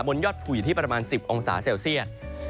ยอดภูอยู่ที่ประมาณ๑๐องศาเซลเซียต